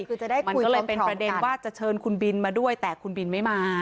คือจะได้คุยกันเป็นประเด็นว่าจะเชิญคุณบินมาด้วยแต่คุณบินไม่มา